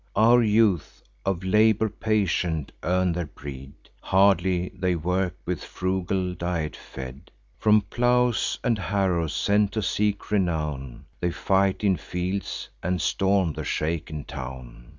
Our youth, of labour patient, earn their bread; Hardly they work, with frugal diet fed. From plows and harrows sent to seek renown, They fight in fields, and storm the shaken town.